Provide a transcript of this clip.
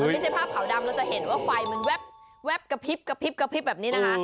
ไม่ใช่ภาพขาวดำเราจะเห็นว่าไฟมันแว๊บกระพริบแบบนี้นะคะ